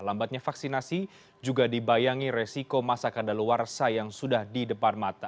lambatnya vaksinasi juga dibayangi resiko masa kandaluarsa yang sudah di depan mata